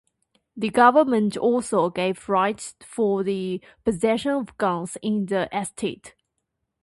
The Government also gave rights for the possession of guns in the estate.